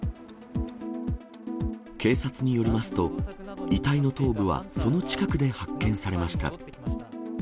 警察によりますと、遺体の頭部は、その近くで発見されました。